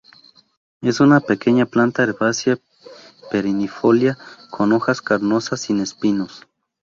Es una pequeña planta herbácea perennifolia con hojas carnosas sin espinos.